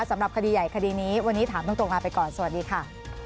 สำหรับคดีใหญ่คดีนี้วันนี้ถามตรงลาไปก่อนสวัสดีค่ะ